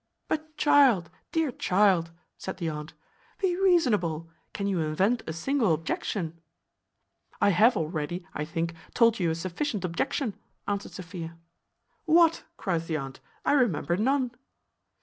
"But, child, dear child," said the aunt, "be reasonable; can you invent a single objection?" "I have already, I think, told you a sufficient objection," answered Sophia. "What?" cries the aunt; "I remember none."